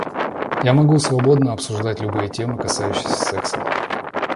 Я могу свободно обсуждать любые темы, касающиеся секса.